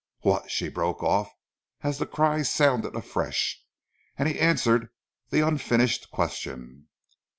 "What " she broke off as the cry sounded afresh, and he answered the unfinished question.